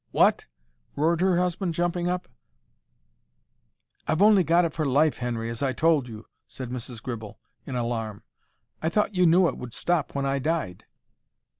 "WHAT?" roared her husband, jumping up. "I've only got it for life, Henry, as I told you," said Mrs. Gribble, in alarm. "I thought you knew it would stop when I died."